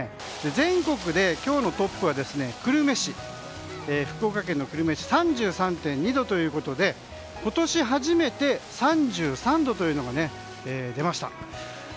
全国で今日のトップは福岡県久留米市３３．２度ということで今年初めて３３度というのが出ました。